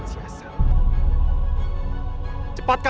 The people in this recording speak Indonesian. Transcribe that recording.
tapi kalau itu tempat mulut